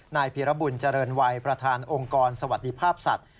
พีรบุญเจริญวัยประธานองค์กรสวัสดิภาพสัตว